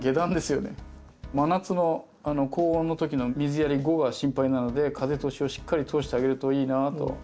真夏の高温のときの水やり後が心配なので風通しをしっかり通してあげるといいなと。